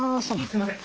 すいません！